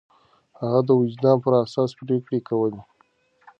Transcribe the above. هغه د وجدان پر اساس پرېکړې کولې.